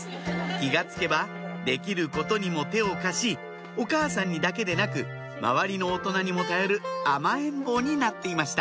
気が付けばできることにも手を貸しお母さんにだけでなく周りの大人にも頼る甘えん坊になっていました